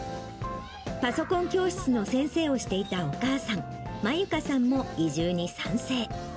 パソコン教室の先生をしていたお母さん、まゆかさんも移住に賛成。